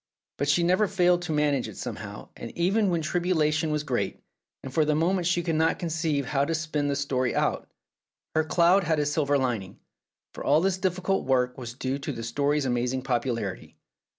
But she never failed to manage it somehow, and even when tribulation was great, and for the moment she could not conceive how to spin the story out, her cloud had a silver lining, for all this difficult work was due to the story's amazing popularity.